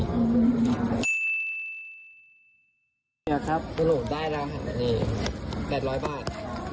นี่แหละครับคุณหญิงได้แล้วค่ะนี่๘๐๐บาท